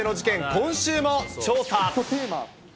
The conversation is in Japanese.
今週も調査。